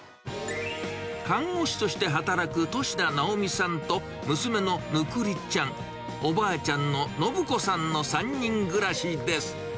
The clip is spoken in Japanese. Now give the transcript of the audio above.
看護師として働く利田直美さんと、娘のぬくりちゃん、おばあちゃんの宣子さんの３人暮らしです。